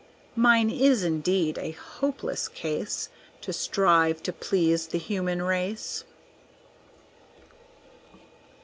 Mine is indeed a hopeless case; To strive to please the human race!